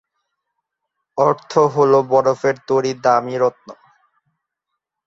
অর্থ হল বরফের তৈরি দামী রত্ন।